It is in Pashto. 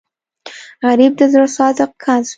غریب د زړه صادق کس وي